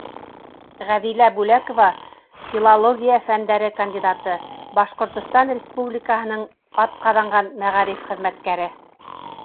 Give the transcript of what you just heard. Ғәҙилә Бүләкова, филология фәндәре кандидаты, Башҡортостан Республикаһының атҡаҙанған мәғариф хеҙмәткәре